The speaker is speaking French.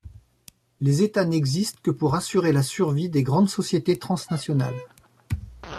Les États n'existent que pour assurer la survie des grandes sociétés trans-nationales.